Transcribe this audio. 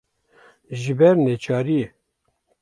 ji ber neçariyê